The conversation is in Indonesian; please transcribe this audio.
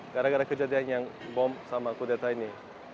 gara gara kejadian yang bom sama kudeta ini